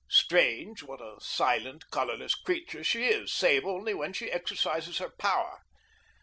Strange what a silent, colorless creature she is save only when she exercises her power!